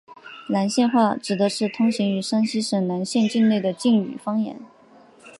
岚县话指的是通行于山西省岚县境内的晋语方言。